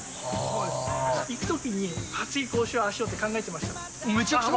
行くときに、次こうしよう、ああしようって考えてました？